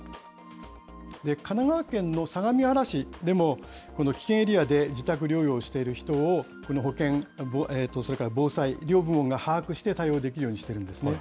神奈川県の相模原市でも、この危険エリアで自宅療養をしている人を、この保健、それから防災の両部門が把握して対応できるようにしているんですね。